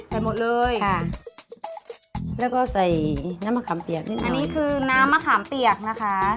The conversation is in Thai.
ใส่หมดเลยค่ะแล้วก็ใส่น้ำมะขามเปียกนิดนึงอันนี้คือน้ำมะขามเปียกนะคะ